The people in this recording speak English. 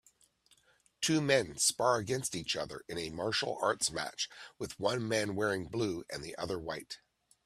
Two men spar against each other in a martial arts match with one man wearing blue and the other white